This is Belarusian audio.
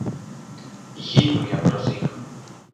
Гіну я праз іх!